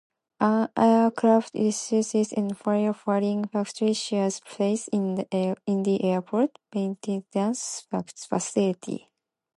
An aircraft rescue and fire fighting facility shares space in the airport maintenance facility.